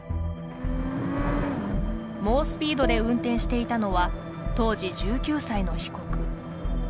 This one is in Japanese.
猛スピードで運転していたのは当時１９歳の被告。